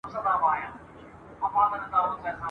لکه میندي هسي لوڼه لکه ژرندي هسي دوړه !.